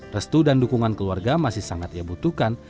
restu dan dukungan keluarga masih sangat ia butuhkan